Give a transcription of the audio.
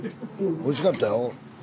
おいしかったよ。